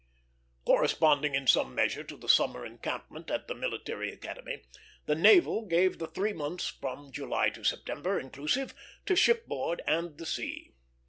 Corresponding in some measure to the summer encampment at the Military Academy, the Naval gave the three months from July to September, inclusive, to shipboard and the sea.